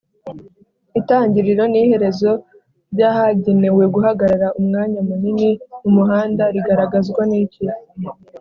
itangiriro n’iherezo ry’ahagenewe guhagarara Umwanya munini mumuhanda rigaragazwa niki